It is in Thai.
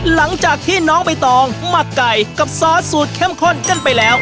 หลังจากที่น้องใบตองหมักไก่กับซอสสูตรเข้มข้นกันไปแล้ว